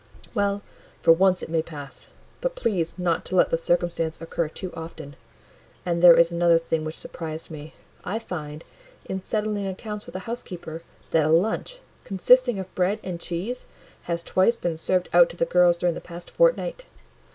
"Well, for once it may pass; but please not to let the circumstance occur too often. And there is another thing which surprised me; I find, in settling accounts with the housekeeper, that a lunch, consisting of bread and cheese, has twice been served out to the girls during the past fortnight.